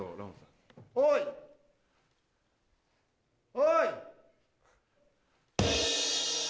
おい！